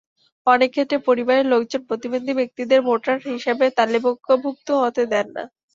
অনেক ক্ষেত্রে পরিবারের লোকজন প্রতিবন্ধী ব্যক্তিদের ভোটার হিসেবে তালিকাভুক্তও হতে দেন না।